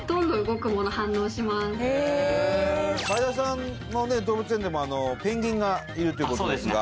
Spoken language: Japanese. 動物園でもペンギンがいるということですが